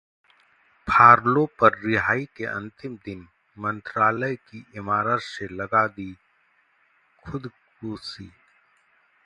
फरलो पर रिहाई के अंतिम दिन मंत्रालय की इमारत से छलांग लगा की खुदकुशी